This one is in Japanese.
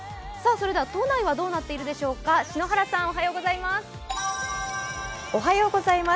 都内はどうなっているでしょうか、篠原さんおはようございます。